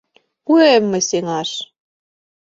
Пуэм мый сеҥаш!